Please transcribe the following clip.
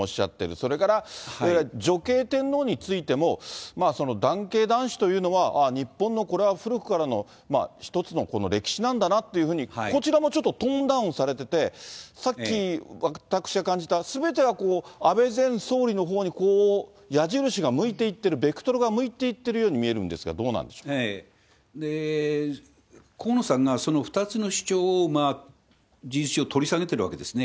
それから女系天皇についても、男系男子というのは、日本のこれは古くからの一つの歴史なんだなというふうにこちらもちょっとトーンダウンされてて、さっき、私が感じたすべてはこう、安倍前総理のほうに矢印が向いていってる、ベクトルが向いていってるように見えるんですが、どうなんでしょ河野さんがその２つの主張を、事実上、取り下げているわけですよね。